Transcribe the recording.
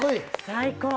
最高！